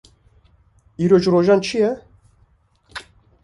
Îro ji rojan çi ye?